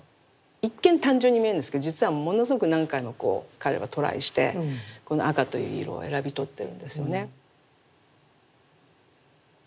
一見単純に見えるんですけど実はものすごく何回も彼はトライしてこの赤という色を選び取ってるんですよね。